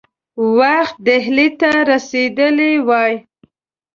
وخت ډهلي ته رسېدلی وای.